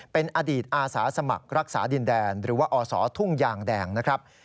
เป็นอดีตอาสาสมัครรักษาดินแดนหรือว่าอศทุ่งยางแดงนะครับ